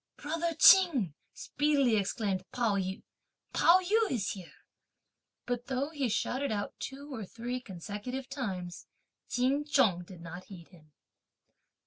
"Brother Ching," speedily exclaimed Pao yü, "Pao yü is here!" But though he shouted out two or three consecutive times, Ch'in Chung did not heed him.